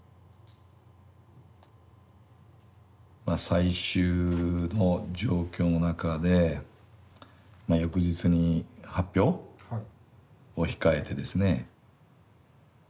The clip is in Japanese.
まあ最終の状況の中で翌日に発表を控えてですね。